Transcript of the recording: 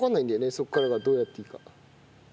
そこからがどうやっていいか。